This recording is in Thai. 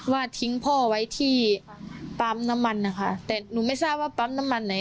ว่าทิ้งพ่อไว้ที่ปั๊มน้ำมันนะคะแต่หนูไม่ทราบว่าปั๊มน้ำมันไหน